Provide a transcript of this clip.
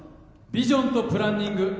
ビジョンとプランニング